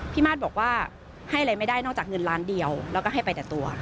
มาสบอกว่าให้อะไรไม่ได้นอกจากเงินล้านเดียวแล้วก็ให้ไปแต่ตัว